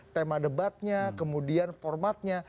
tema debatnya kemudian formatnya